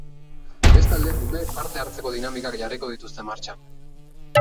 Bestalde, umeek parte hartzeko dinamikak jarriko dituzte martxan.